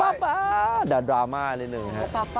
ป๊าป๊าดาดราม่านิดนึง